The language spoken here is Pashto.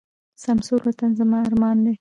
سمسور وطن زموږ ارمان دی.